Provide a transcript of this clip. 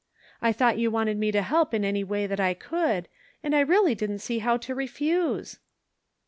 I thought you wanted me to help in any way that I could, and I really didn't see how to refuse."